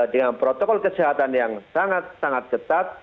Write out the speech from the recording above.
dengan protokol kesehatan yang sangat sangat ketat